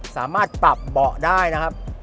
สามารถปรับเบาะได้นะครับ